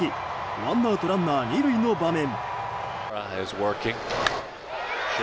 ワンアウトランナー２塁の場面。